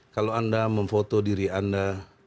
kalau anda memfoto diri anda